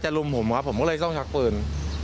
รุมผมครับผมก็เลยต้องชักปืน